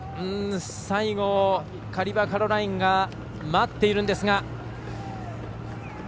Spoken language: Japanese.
最後、カリバ・カロラインが待っているんですが。